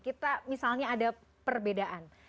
kita misalnya ada perbedaan